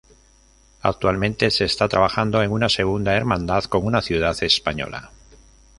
Actualmente se está trabajando en una segunda hermandad con una ciudad española.